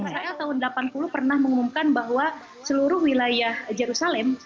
israel tahun delapan puluh pernah mengumumkan bahwa seluruh wilayah jerusalem